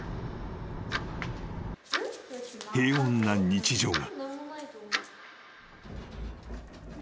［平穏な日常が］